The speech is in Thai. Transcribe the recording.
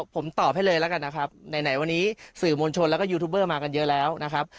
ผมตอบให้เลยแล้วกันนะครับไหนวันนี้สื่อมวลชนแล้วก็ยูทูบเบอร์มากันเยอะแล้วนะครับ